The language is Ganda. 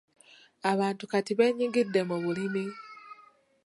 Abantu kati benyigidde mu bulimi.